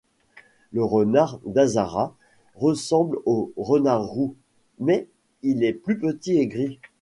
Le renard d'Aszara ressemble au renard roux, mais il est plus petit et gris.